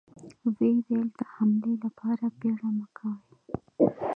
ويې ويل: د حملې له پاره بيړه مه کوئ!